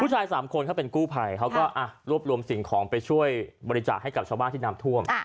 สามคนเขาเป็นกู้ภัยเขาก็รวบรวมสิ่งของไปช่วยบริจาคให้กับชาวบ้านที่น้ำท่วม